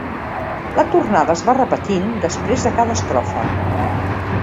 La tornada es va repetint després de cada estrofa.